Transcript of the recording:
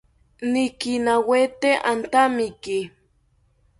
Nikinawete antamiki